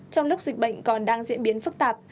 trong lúc dịch bệnh còn đang diễn biến phức tạp